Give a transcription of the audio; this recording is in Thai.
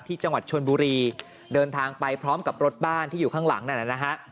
ที่จังหวัดชนบุรีเดินทางไปพร้อมกับรถบ้านที่อยู่ข้างหลังนั่นนะฮะ